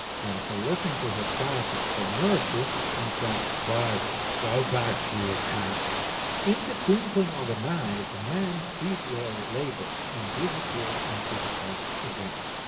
Then he listened to her cries for mercy, and said— "Five, go back to your cask!" In the twinkling of an eye the men ceased their labour, and disappeared into the cask again.